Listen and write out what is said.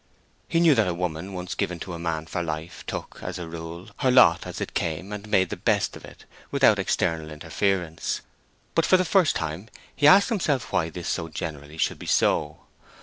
He knew that a woman once given to a man for life took, as a rule, her lot as it came and made the best of it, without external interference; but for the first time he asked himself why this so generally should be so.